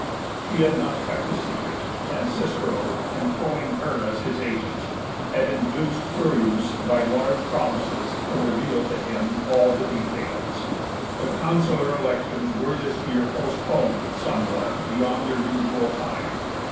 She had not kept the secret; and Cicero, employing her as his agent, had induced Curius by large promises to reveal to him all the details. The consular elections were this year postponed somewhat beyond their usual time.